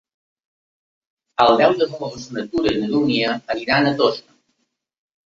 El deu d'agost na Tura i na Dúnia aniran a Toixa.